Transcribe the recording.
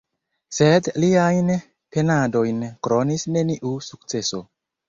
Sed liajn penadojn kronis neniu sukceso.